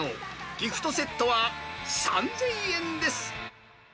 ギフトセットは３０００円です。